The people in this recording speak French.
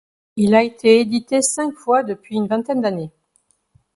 Il a été édité cinq fois depuis une vingtaine d'années.